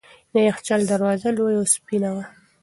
د یخچال دروازه لویه او سپینه وه.